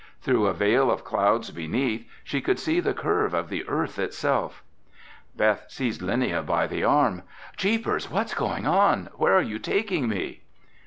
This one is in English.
Through a veil of clouds beneath she could see the curve of the earth itself! Beth seized Linnia by the arm. "Jeepers, what's going on! Where are you taking me?"